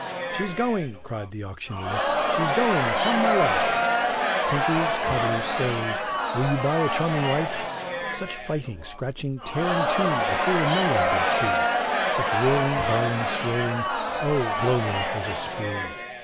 She's going, cried the auctioneer, she's going, upon my life; Tinkers, coblers, sailors, will you buy a charming wife? Such fighting, scratching, tearing too, before no one did see; Such roaring, bawling, swearing, O! blow me, it was a spree.